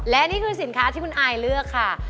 และนี่คือสินค้าที่คุณอายเลือกค่ะ